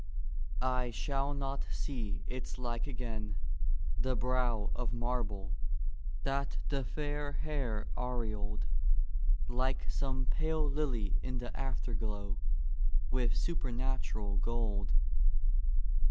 I shall not see its like again! the brow Of marble, that the fair hair aureoled, Like some pale lily in the afterglow, With supernatural gold.